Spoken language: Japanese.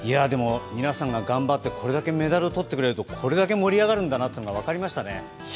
皆さんが頑張ってこれだけメダルをとってるくれるとこれだけ盛り上がるんだなって分かりましたね。